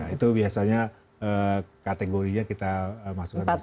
itu biasanya kategorinya kita masukkan